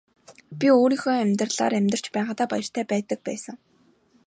Би өөрийнхөө амьдралаар амьдарч байгаадаа баяртай байдаг байсан.